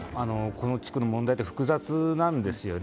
この地区の問題って複雑なんですよね。